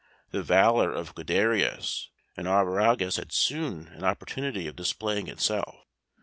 The valour of Guiderius and Arviragus had soon an opportunity of displaying itself.